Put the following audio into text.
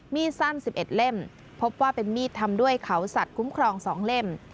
มีดสั้น๑๑เล่มพบว่าเป็นมีดทำด้วยเขาสัตว์คุ้มครอง๒เล่ม